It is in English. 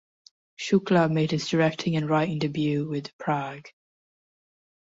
Shukla made his directing and writing debut with "Prague".